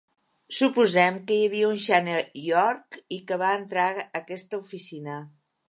Suposem que hi havia un Shane York i que va entrar a aquesta oficina.